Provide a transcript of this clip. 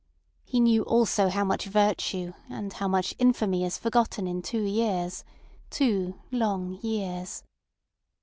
He knew also how much virtue and how much infamy is forgotten in two years—two long years.